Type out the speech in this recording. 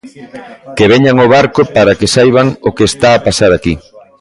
Que veñan ao barco para que saiban o que está a pasar aquí.